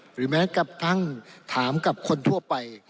หรือแม้กระทั่งถามกับคนทั่วไป